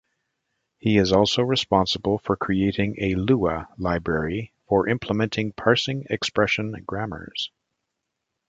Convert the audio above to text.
He is also responsible for creating a Lua library for implementing parsing expression grammars.